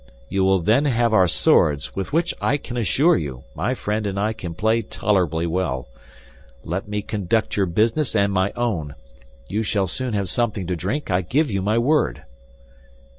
You will then have our swords, with which, I can assure you, my friend and I can play tolerably well. Let me conduct your business and my own. You shall soon have something to drink; I give you my word."